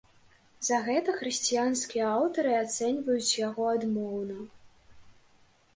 За гэта хрысціянскія аўтары ацэньваюць яго адмоўна.